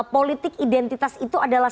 politik identitas itu adalah